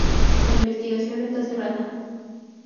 La investigación está cerrada".